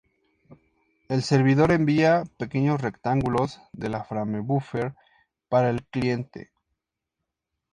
El servidor envía pequeños rectángulos de la framebuffer para el cliente.